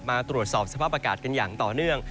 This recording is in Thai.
มาตรวจสอบสภาพอากาศกันอย่างต่อเนื่อง